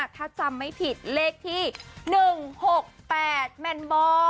ถ้าจำไม่ผิดเลขที่๑๖๘แมนบอร์